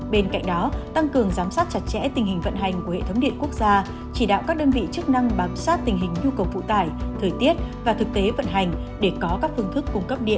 bên cạnh đó tăng cường giám sát chặt chẽ tình hình vận hành của hệ thống điện quốc gia chỉ đạo các đơn vị chức năng bám sát tình hình nhu cầu phụ tải thời tiết và thực tế vận hành để có các phương thức cung cấp điện